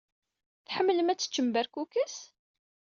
Tḥemmlem ad teččem berkukes?